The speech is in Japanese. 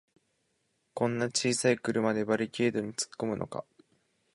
こんな小さい車でバリケードにつっこむのか